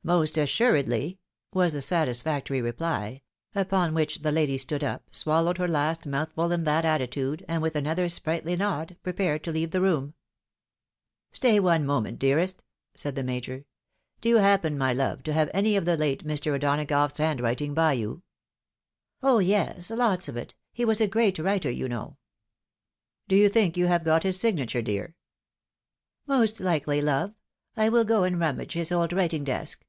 " Most assuredly," was the satisfactory reply ; upon which the lady stood up, swallowed her last mouthful in that attitude, and with another sprightly nod, prepared to leave the room. " Stay one moment, dearest !" said the Major ;" do you happen, my love, to have any of the late' Mr. O'Donagough's handwriting by you? "" Oh, yes ; lots of it. He was a great writer, you know." " Do you tliink you have got his signature, dear ?"" Most likely, love. I will go and rummage his old writing desk."